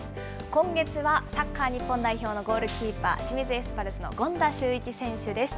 今月はサッカー日本代表のゴールキーパー、清水エスパルスの権田修一選手です。